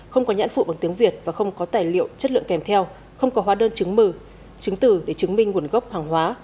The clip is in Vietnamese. không có nhãn phụ bằng tiếng việt và không có tài liệu chất lượng kèm theo không có hóa đơn chứng mừ chứng tử để chứng minh nguồn gốc hàng hóa